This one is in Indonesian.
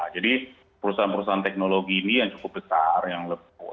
jadi perusahaan perusahaan teknologi ini yang cukup besar yang lepuh